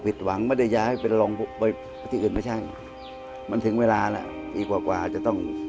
หวังไม่ได้ย้ายไปลองไปที่อื่นไม่ใช่มันถึงเวลาแล้วปีกว่ากว่าจะต้อง